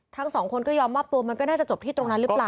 ทั้งสองคนก็ยอมมอบตัวมันก็น่าจะจบที่ตรงนั้นหรือเปล่า